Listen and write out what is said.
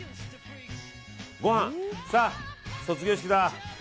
ご飯、さあ卒業式だ。